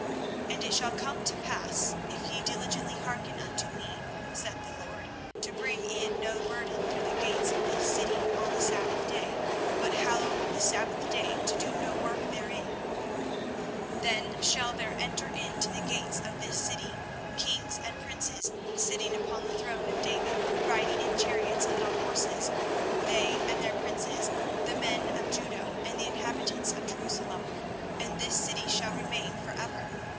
24:017:024 And it shall come to pass, if ye diligently hearken unto me, saith the LORD, to bring in no burden through the gates of this city on the sabbath day, but hallow the sabbath day, to do no work therein; 24:017:025 Then shall there enter into the gates of this city kings and princes sitting upon the throne of David, riding in chariots and on horses, they, and their princes, the men of Judah, and the inhabitants of Jerusalem: and this city shall remain for ever.